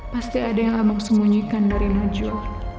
pasti ada yang abang sembunyikan dari maju